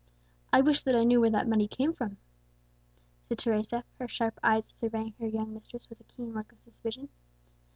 "I wish that I knew where that money came from," said Teresa, her sharp eyes surveying her young mistress with a keen look of suspicion.